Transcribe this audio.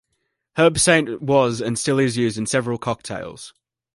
Herbsaint was and still is used in several cocktails.